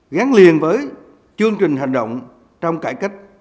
gắn liền với chương trình hành động trong cải cách